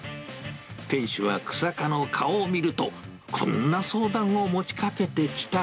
店主は日下の顔を見ると、こんな相談を持ちかけてきた。